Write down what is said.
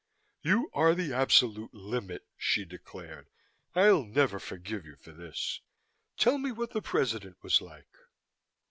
"You are the absolute limit!" she declared. "I'll never forgive you for this. Tell me, what the President was like?"